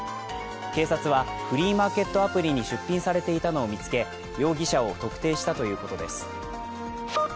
警察はフリーマーケットアプリに出品されていたのを見つけ容疑者を特定したということです。